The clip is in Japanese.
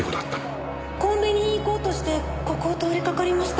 コンビニに行こうとしてここを通りかかりました。